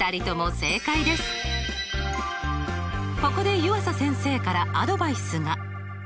ここで湯浅先生からアドバイスが。